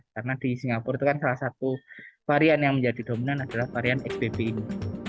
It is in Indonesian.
karena di singapura itu kan salah satu varian yang menjadi dominan adalah varian xbb ini